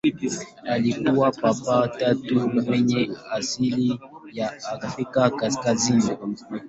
Alikuwa Papa wa tatu mwenye asili ya Afrika kaskazini.